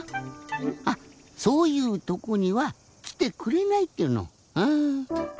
あっそういうとこにはきてくれないっていうのああ。